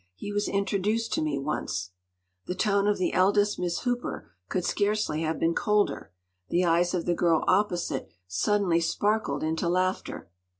He was introduced to me once.” The tone of the eldest Miss Hooper could scarcely have been colder. The eyes of the girl opposite suddenly sparkled into laughter.